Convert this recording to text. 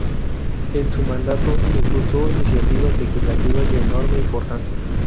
En su mandato, impulsó iniciativas legislativas de enorme importancia.